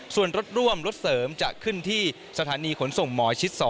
ส่วนรถร่วมรถเสริมจะขึ้นที่สถานีขนส่งหมอชิด๒